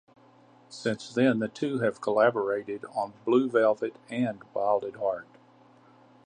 Since then the two have collaborated on "Blue Velvet" and "Wild at Heart".